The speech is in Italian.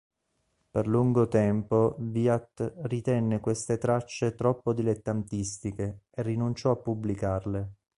Per lungo tempo Wyatt ritenne queste tracce troppo dilettantistiche e rinunciò a pubblicarle.